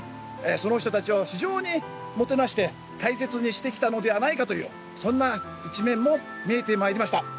その人たちを非常にもてなして大切にしてきたのではないかというそんな一面も見えてまいりました。